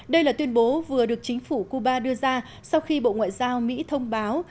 đây là tuyên bố vừa được chính phủ cuba đưa ra sau khi bộ ngoại giao mỹ thông báo